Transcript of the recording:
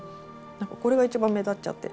これが一番目立っちゃって。